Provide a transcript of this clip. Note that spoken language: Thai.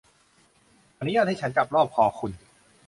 อนุญาตให้ฉันจับรอบคอคุณ